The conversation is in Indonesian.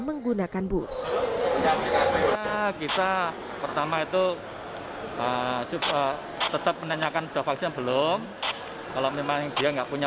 menggunakan bus kita pertama itu tetap menanyakan doa saja belum kalau memang dia nggak punya